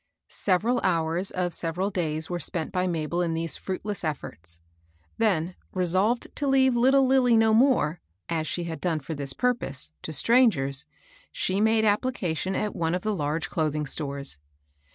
Several hours of several day^ were* spent by Mabel in these fruitless efforts ; then, resolved to leave little Lilly no more, as she had done for this purpose, to sti*angers, she made applica tion at one of the large clothing stores.